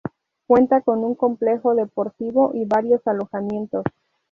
Cuenta con un complejo deportivo y varios alojamientos.